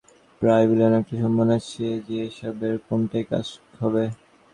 প্রায় বিলিয়নে একটা সম্ভাবনা আছে যে এসবের কোনটায় কাজ হবে।